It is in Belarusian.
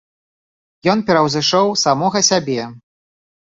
Ён пераўзышоў самога сябе.